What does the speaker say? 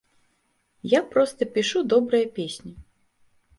Я проста пішу добрыя песні.